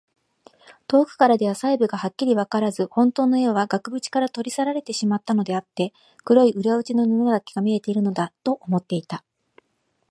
遠くからでは細部がはっきりわからず、ほんとうの絵は額ぶちから取り去られてしまったのであって、黒い裏打ちの布だけが見えているのだ、と思っていた。